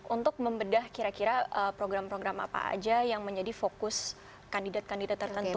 untuk membedah kira kira program program apa aja yang menjadi fokus kandidat kandidat tertentu